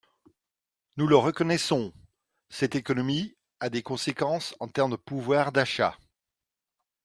Nous le reconnaissons, cette économie a des conséquences en termes de pouvoir d’achat.